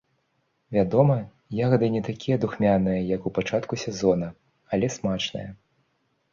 Вядома, ягады не такія духмяныя, як у пачатку сезона, але смачныя.